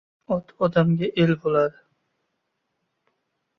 Ot odamga el bo‘ladi.